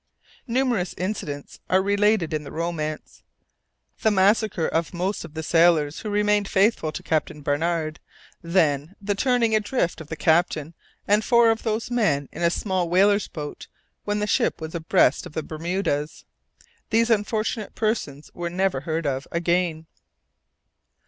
Numerous incidents are related in the romance the massacre of most of the sailors who remained faithful to Captain Barnard, then the turning adrift of the captain and four of those men in a small whaler's boat when the ship was abreast of the Bermudas. These unfortunate persons were never heard of again.